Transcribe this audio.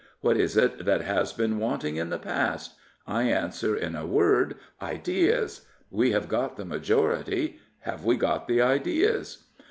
What is it that has been wanting in the past? I answer in a word — ideas I We have got the majority. Have we got the ideas?